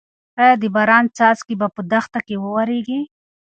ايا د باران څاڅکي به په دښته کې واوریږي؟